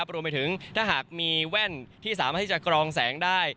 รวมไปถึงถ้าหากมีแว่นที่สามารถที่จะกรองแสงได้